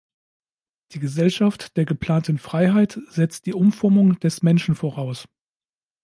Die Gesellschaft der „geplanten Freiheit“ setzt die Umformung des Menschen voraus.